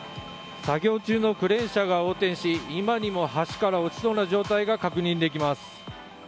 作業中のクレーン車が横転し今にも橋から落ちそうな状態が確認できます。